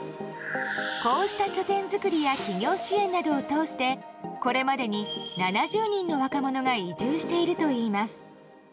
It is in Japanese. こうした拠点づくりや企業支援などを通してこれまでに７０人の若者が移住しているといいます。